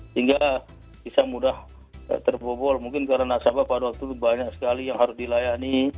sehingga bisa mudah terbobol mungkin karena nasabah pada waktu itu banyak sekali yang harus dilayani